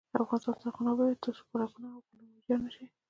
افغانستان تر هغو نه ابادیږي، ترڅو پارکونه او ګلونه ویجاړ نشي.